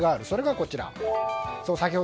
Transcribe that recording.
それがこちらです。